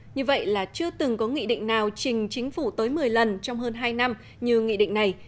như vậy là chưa từng có nghị định nào trình chính phủ tới một mươi lần trong hơn hai năm như nghị định này